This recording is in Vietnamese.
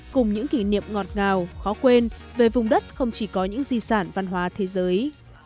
cùng những kỷ niệm ngọt ngào khó quên về vùng đất không chỉ có những di sản văn hóa thế giới